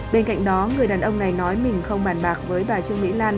bên cạnh đó người đàn ông này nói mình không bàn bạc với bà trương mỹ lan